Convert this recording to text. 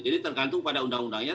jadi tergantung pada undang undangnya